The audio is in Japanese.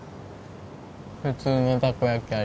普通のたこ焼味